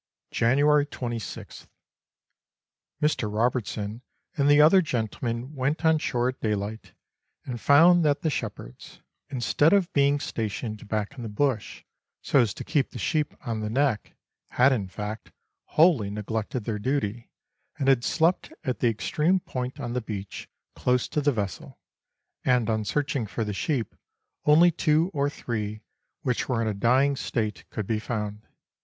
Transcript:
January 26th. Mr. Robertson and the other gentlemen went on shore at daylight, and fouud that the shepherds, instead of 282 Letters from Victorian Pioneers. being stationed back in the bush, so as to keep the sheep on the neck, had, in fact, wholly neglected their duty, and had slept at the extreme point on the beach, close to the vessel, and on searching for the sheep, only two or three, which were in a dying state, could be found.